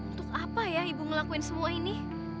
untuk apa ya ibu ngelakuin semua ini